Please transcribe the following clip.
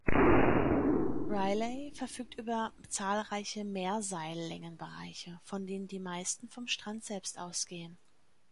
Railay verfügt über zahlreiche Mehrseillängenbereiche, von denen die meisten vom Strand selbst ausgehen.